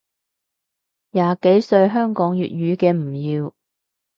廿幾歲香港粵語嘅唔要